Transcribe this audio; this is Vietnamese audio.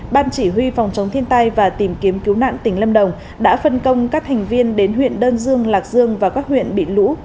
ban chỉ huy phòng chống thiên tai và tìm kiếm cứu nạn tỉnh lâm đồng đã phân công các thành viên đến huyện đơn dương lạc dương và các huyện bị lũ